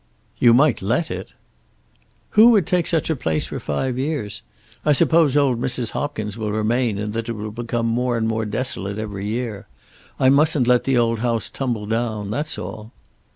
"You might let it." "Who would take such a place for five years? I suppose old Mrs. Hopkins will remain, and that it will become more and more desolate every year. I mustn't let the old house tumble down; that's all."